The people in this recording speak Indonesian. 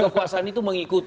kekuasaan itu mengikuti